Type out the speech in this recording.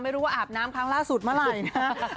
ไม่รู้อาบน้ำครั้งล่าสุดเมื่อไหร่